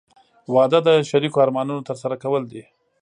• واده د شریکو ارمانونو ترسره کول دي.